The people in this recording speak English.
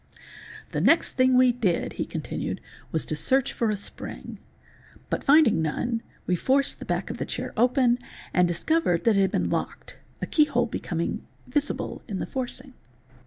"The next thing we did," he continued " was to search for a spring. But finding none, we forced the back of the chair open, and discovered that it had been locked, a keyhole becoming visible in the forcing.